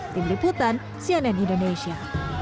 tim liputan cnn indonesia